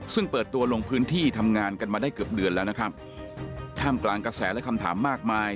ซึ่งเปิดตัวลงพื้นที่ทำงานกันมาได้เกือบเดือนแล้วนะครับท่ามกลางกระแสและคำถามมากมาย